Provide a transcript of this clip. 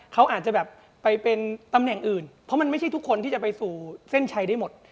เขาอาจจะแบบไปเป็นตำแหน่งอื่นเพราะมันไม่ใช่ทุกคนที่จะไปสู่เส้นชัยได้หมด